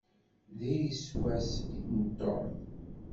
Diri-t wass-is n Tom.